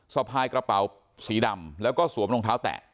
สะพายกระเป๋าสีดำแล้วก็สวมรองเท้าแตะ